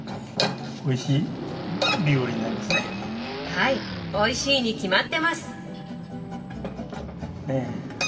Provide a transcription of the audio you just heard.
はいおいしいに決まってます！